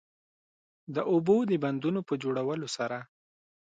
د اوبو د بندونو په جوړولو سره